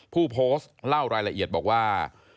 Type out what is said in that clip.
ผู้โพสต์เล่ารายละเอียดบอกว่า